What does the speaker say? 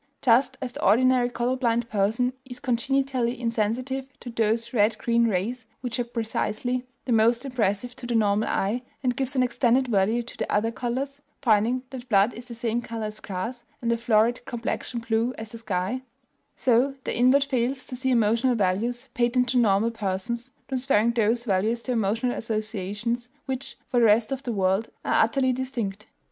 Just as the ordinary color blind person is congenitally insensitive to those red green rays which are precisely the most impressive to the normal eye, and gives an extended value to the other colors, finding that blood is the same color as grass, and a florid complexion blue as the sky, so the invert fails to see emotional values patent to normal persons, transferring those values to emotional associations which, for the rest of the world, are utterly distinct.